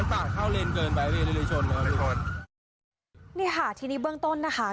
นี่ค่ะทีนี้เบื้องต้นนะคะ